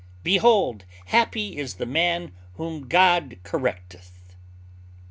Behold, happy is the man whom God correcteth.